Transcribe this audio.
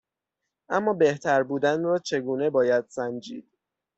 اما بهتر بودن را چگونه باید سنجید؟